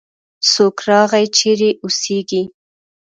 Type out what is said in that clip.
څوک راغی؟ چیرې اوسیږې؟